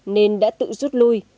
nên đã tự rút lui